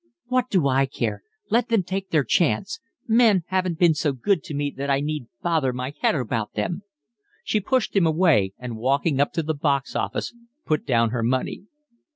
"What do I care? Let them take their chance. Men haven't been so good to me that I need bother my head about them." She pushed him away and walking up to the box office put down her money.